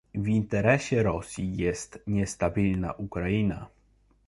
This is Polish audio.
W interesie Rosji jest niestabilna Ukraina